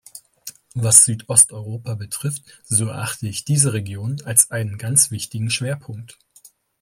Was Südosteuropa betrifft, so erachte ich diese Region als einen ganz wichtigen Schwerpunkt.